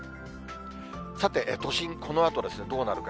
さて都心、このあと、どうなるか。